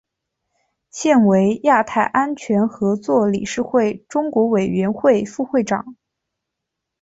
现为亚太安全合作理事会中国委员会副会长。